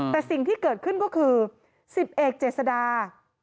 แต่สิ่งที่เกิดขึ้นก็คือ๑๐เอกเจษดา